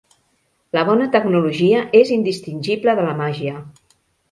La bona tecnologia és indistingible de la màgia.